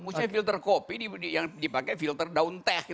maksudnya filter kopi yang dipakai filter daun teh